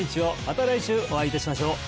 また来週お会いいたしましょう！